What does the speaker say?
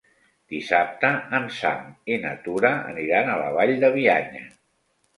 Dissabte en Sam i na Tura aniran a la Vall de Bianya.